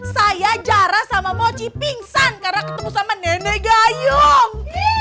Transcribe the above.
saya jarang sama mochi pingsan karena ketemu sama nenek gayung